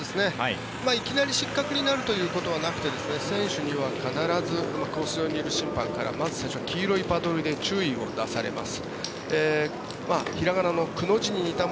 いきなり失格になることはなくて選手には必ずコース上にいる審判からまず最初は黄色いパドルで注意を出されます。